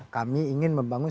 kami ingin membangun